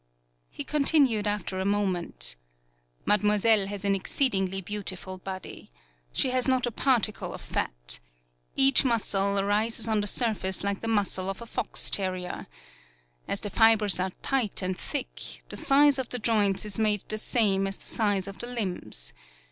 He continued after a moment: "Mademoiselle has an exceedingly beautiful body. She has not a particle of fat. Each muscle rises on the sur face like the muscle of a fox terrier. As the fibers are tight and thick, the size of the joints is made the same as the size of the limbs.